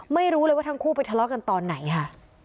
ไม่รู้เลยว่าทั้งคู่ไปทะเลาะกันตอนไหนค่ะ